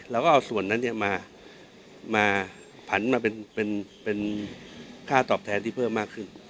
เราก็เอาส่วนนั้นมาผันมาเป็นค่าตอบแทนที่เพิ่มมากขึ้น